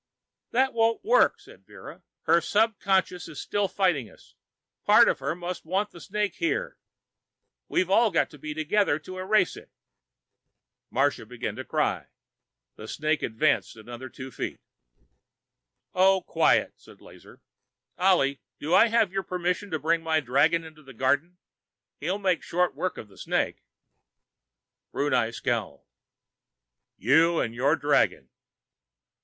"That won't work," said Vera. "Her subconscious is still fighting us. Part of her must want the snake here. We've all got to be together to erase it." Marsha began to cry. The snake advanced another two feet. "Oh, quiet!" rasped Lazar. "Ollie, do I have your permission to bring my dragon into the garden? He'll make short work of the snake." Brunei scowled. "You and your dragon....